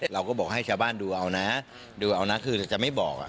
เราก็บอกให้ชาวบ้านดูเอานะดูเอานะคือจะไม่บอก